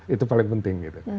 itu paling penting gitu